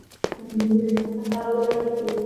بدلون له شک څخه راولاړیږي.